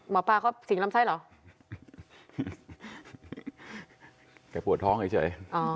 หมอปลาเขาสิงลำไส้เหรอแกปวดท้องเฉย